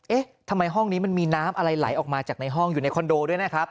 เอ๊ะทำไมห้องนี้มันมีน้ำอะไรไหลออกมาจากในห้องอยู่ในคอนโดด้วยนะครับ